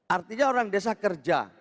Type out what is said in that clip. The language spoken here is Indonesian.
artinya orang desa kerja